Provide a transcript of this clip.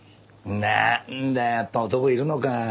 なんだやっぱ男いるのか。